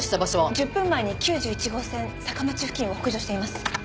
１０分前に９１号線坂町付近を北上しています。